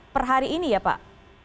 perhari ini ya pak